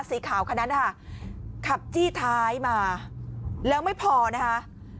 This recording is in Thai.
สีขาวคนนั้นนะคะขับจี้ท้ายมาแล้วไม่พอนะคะ